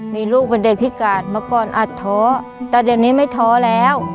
มีลูกเป็นเด็กพิการเมื่อก่อนอาจท้อแต่เดี๋ยวนี้ไม่ท้อแล้ว